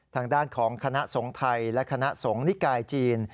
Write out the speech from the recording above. ทางด้านของคณะสงฆ์ไทยและคณะสงฆ์นิกายจีน